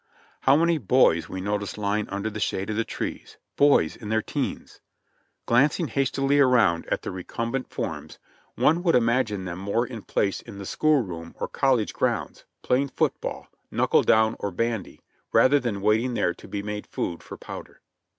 How many hoys we noticed lying under the shade of the trees !— boys in their teens. Glancing hastily around at the recumbent BULL RUN 55 forms, one would imagine them more in place in the school room or college grounds, playing foot ball, knuckle down or bandy, rather than waiting there to be made food for powder.